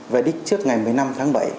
về đích trước ngày một mươi năm tháng bảy